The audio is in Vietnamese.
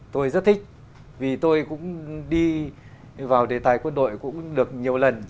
tôi rất thích vì tôi cũng đi vào đề tài quân đội cũng được nhiều lần